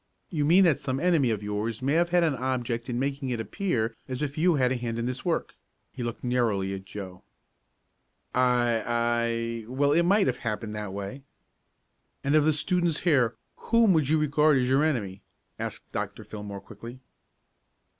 "You mean that some enemy of yours may have had an object in making it appear as if you had a hand in this work." He looked narrowly at Joe. "I I, well, it might have happened that way." "And of the students here, whom would you regard as your enemy?" asked Dr. Fillmore quickly.